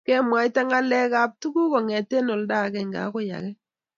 kemwaita ngalek ak tuguk kongetee olda agenge akoi age